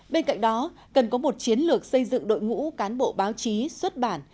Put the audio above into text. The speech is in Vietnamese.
bên cạnh đó cần có một chiến lược xây dựng đội ngũ cán bộ báo chí xuất bản